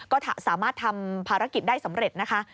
ก็สามารถทำภารกิจได้สำเร็จนะคะ